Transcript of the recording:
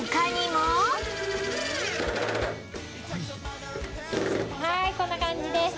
はーいこんな感じです。